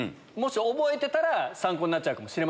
覚えてたら参考になっちゃう。